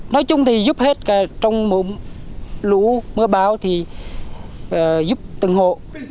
nói chung thì giúp hết cả trong mùa lũ mưa báo thì giúp từng hộ